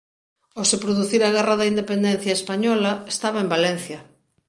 Ao se producir a Guerra da Independencia española estaba en Valencia.